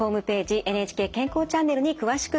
「ＮＨＫ健康チャンネル」に詳しく掲載されています。